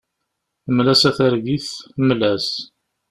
Mmel-as a targit, mmel-as.